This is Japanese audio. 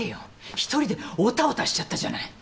１人でおたおたしちゃったじゃない。